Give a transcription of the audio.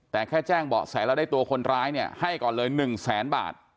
แต่แค่แจ้งเบาะแสแล้วได้ตัวคนร้ายเนี่ยให้ก่อนเลย๑แสนบาท